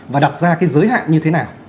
và đặt ra cái giới hạn như thế nào